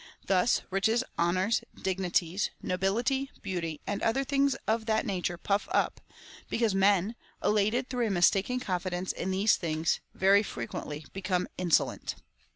Thus riches, honours, dignities, nobility, beauty, and other things of that nature, puff up ; because men, elated through a mistaken confidence in these things, very frequently become insolent.